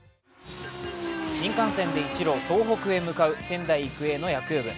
新幹線で一路、東北へ向かう仙台育英の野球部。